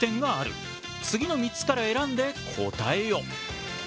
次の３つから選んで答えよ。